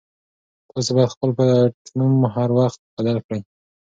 تاسي باید خپل پټنوم هر وخت بدل کړئ.